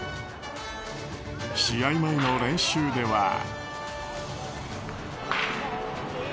試合前の練習では。